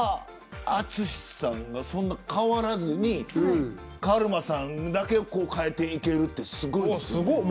淳さんがそんなに変わらずにカルマさんだけを変えていけるってすごいですね。